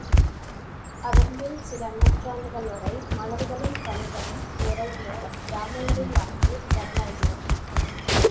அதன்பின் சில நூற்றாண்டுகள்வரை மலர்களும் கனிகளும் நிறைந்த கிராமங்களில் வாழ்ந்து வரலாயினர்.